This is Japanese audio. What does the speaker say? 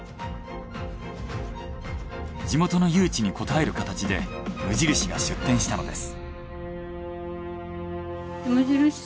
地元の誘致に応える形で無印が出店したのです。